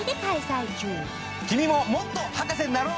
君ももっと博士になろう！